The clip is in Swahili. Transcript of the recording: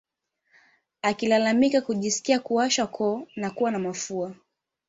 Akilalamika kujisikia kuwashwa koo na kuwa na mafua